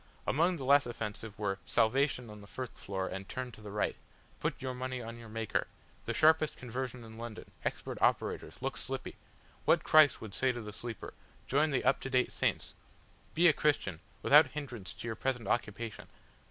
Among the less offensive were "Salvation on the First Floor and turn to the Right." "Put your Money on your Maker." "The Sharpest Conversion in London, Expert Operators! Look Slippy!" "What Christ would say to the Sleeper; Join the Up to date Saints!" "Be a Christian without hindrance to your present Occupation."